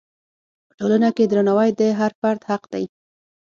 په ټولنه کې درناوی د هر فرد حق دی.